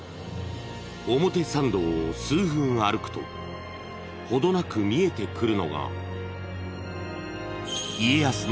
［表参道を数分歩くと程なく見えてくるのが］